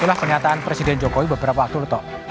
itulah pernyataan presiden jokowi beberapa waktu lalu